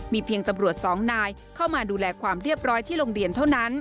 เพียงตำรวจสองนายเข้ามาดูแลความเรียบร้อยที่โรงเรียนเท่านั้น